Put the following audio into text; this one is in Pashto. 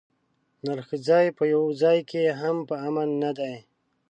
نرښځي په یوه ځای کې هم په امن نه دي.